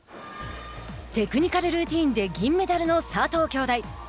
テクニカルルーティンで銀メダルの佐藤きょうだい。